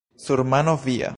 Sur mano via!